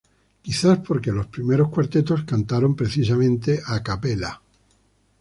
Quizás porque los primeros cuartetos cantaron precisamente A Cappella.